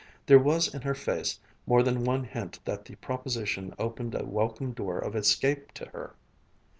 There was in her face more than one hint that the proposition opened a welcome door of escape to her....